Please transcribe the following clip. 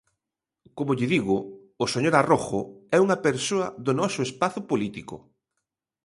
Como lle digo, o señor Arrojo é unha persoa do noso espazo político.